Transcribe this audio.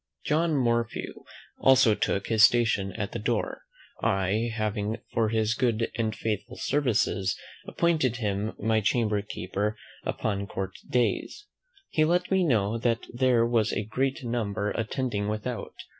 John Morphew also took his station at the door; I having, for his good and faithful services, appointed him my chamber keeper upon court days. He let me know that there were a great number attending without.